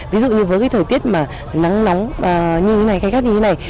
ví dụ như với cái thời tiết mà nắng nóng như thế này cái khác như thế này